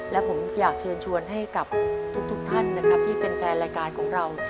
และผมอยากเชิญชวนให้กับทุกท่านนะครับที่แฟนรายการของเรา